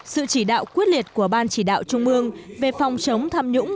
sự chỉ đạo quyết liệt của ban chỉ đạo trung ương về phòng chống tham nhũng